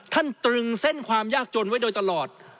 ตรึงเส้นความยากจนไว้โดยตลอด